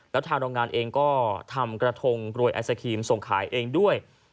แล้วทางโรงงานเองก็ทำกระทงกรวยไอศครีมส่งขายเองด้วย